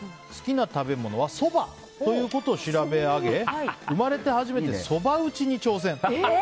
好きな食べ物はそばということを調べ上げ生まれて初めてそば打ちに挑戦。